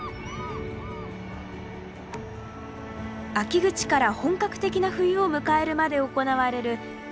秋口から本格的な冬を迎えるまで行われるサケ漁です。